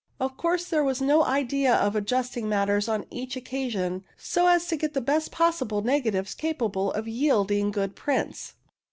Of course, there was no idea of adjusting matters on each occa sion so as to get the best possible negatives capable of yielding good prints.